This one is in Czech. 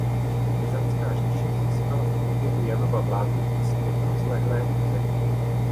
Byzantská říše získala v průběhu Janova vládnutí zpět rozlehlé území.